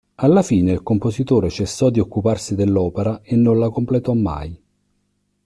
Alla fine il compositore cessò di occuparsi dell'opera e non la completò mai.